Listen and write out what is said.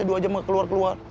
dua jam keluar keluar